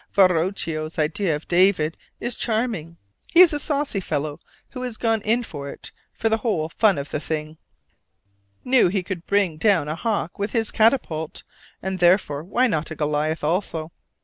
Verocchio's idea of David is charming: he is a saucy fellow who has gone in for it for the fun of the thing knew he could bring down a hawk with his catapult, and therefore why not a Goliath also?